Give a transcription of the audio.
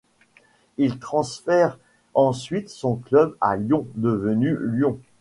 Il transfère ensuite son club à Lyon devenu Lyon.